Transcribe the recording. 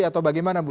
atau bagaimana ibu